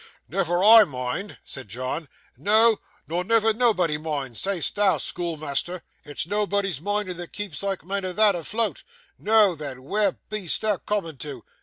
'Never I mind!' said John, 'no, nor never nobody mind, say'st thou, schoolmeasther. It's nobody's minding that keeps sike men as thou afloat. Noo then, where be'est thou coomin' to?